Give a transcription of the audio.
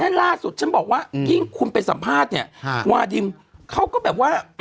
ล่าสุดฉันบอกว่ายิ่งคุณไปสัมภาษณ์เนี่ยวาดิมเขาก็แบบว่า